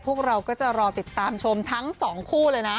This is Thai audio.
พวกเราก็จะรอติดตามชมทั้งสองคู่เลยนะ